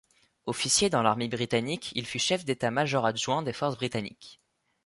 Officier dans l'armée britannique, il fut chef d'état major adjoint des forces britanniques.